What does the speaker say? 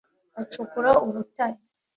acukura ubutare,